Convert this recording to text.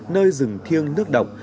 nơi rừng thiêng nước độc